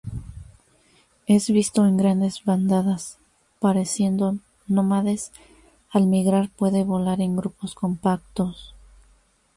Es visto en grandes bandadas, pareciendo nómades; al migrar puede volar en grupos compactos.